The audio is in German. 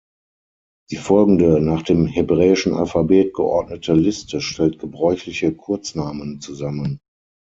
Die folgende, nach dem hebräischen Alphabet geordnete Liste stellt gebräuchliche Kurznamen zusammen.